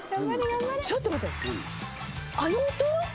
ちょっと待って。